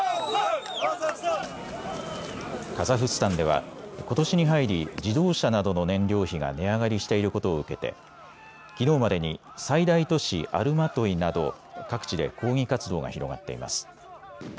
カザフスタンではことしに入り自動車などの燃料費が値上がりしていることを受けてきのうまでに最大都市アルマトイなど各地で抗議活動が広がっています。